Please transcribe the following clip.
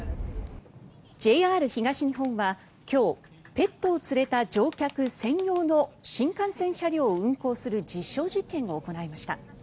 ＪＲ東日本は今日ペットを連れた乗客専用の新幹線車両を運行する実証実験を行いました。